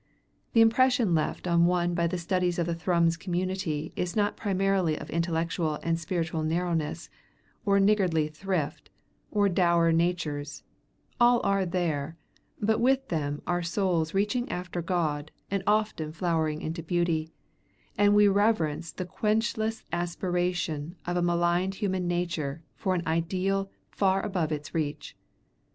The impression left on one by the studies of the Thrums community is not primarily of intellectual and spiritual narrowness, or niggardly thrift, or dour natures: all are there, but with them are souls reaching after God and often flowering into beauty, and we reverence the quenchless aspiration of maligned human nature for an ideal far above its reach.